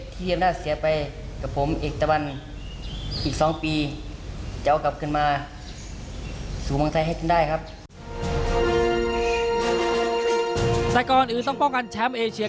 แต่ก่อนอื่นต้องป้องกันแชมป์เอเชีย